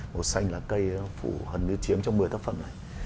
màu xanh là cây phụ hẳn như chiếm trong một mươi tác phẩm này